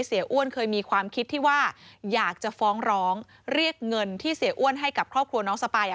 อ้วนเคยมีความคิดที่ว่าอยากจะฟ้องร้องเรียกเงินที่เสียอ้วนให้กับครอบครัวน้องสปาย